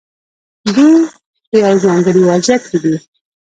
دوی په یو ځانګړي وضعیت کې دي.